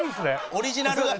オリジナルが。